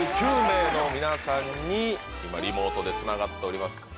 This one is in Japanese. ４９名の皆さんに今リモートでつながっております。